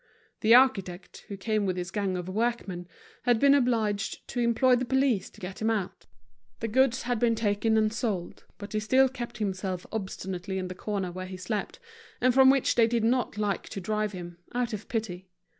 The architect, who came with his gang of workmen, had been obliged to employ the police to get him out. The goods had been taken and sold; but he still kept himself obstinately in the corner where he slept, and from which they did not like to drive him, out of pity.